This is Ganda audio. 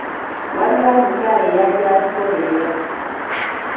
Waliwo omukyala eyajja atugoberera.